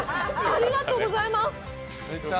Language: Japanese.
ありがとうございます！